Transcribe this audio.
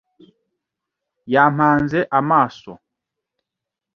Yampanze amaso .